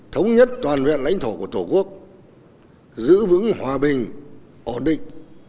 thống nhất toàn vẹn lãnh thổ của tổ quốc giữ vững hòa bình ổn định